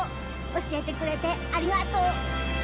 教えてくれてありがとう。